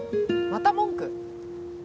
また文句？